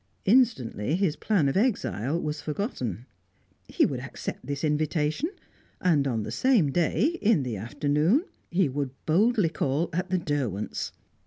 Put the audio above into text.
Instantly, his plan of exile was forgotten. He would accept this invitation, and on the same day, in the afternoon, he would boldly call at the Derwents'.